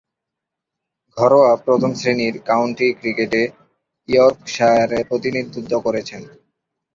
ঘরোয়া প্রথম-শ্রেণীর কাউন্টি ক্রিকেটে ইয়র্কশায়ারের প্রতিনিধিত্ব করেছেন।